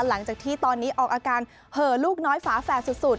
หลังจากที่ตอนนี้ออกอาการเหอลูกน้อยฝาแฝดสุด